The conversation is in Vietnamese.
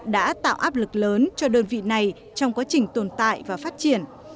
đã tạo áp lực lớn cho đơn vị này trong quá trình tồn tại và phát triển